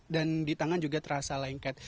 dan di tangan juga terasa lengket